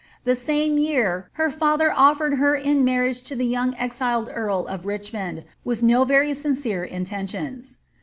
The same year, her &ther oflered her ID maniage to the young exiled earl of Richmond, with no very sin* eere intentions.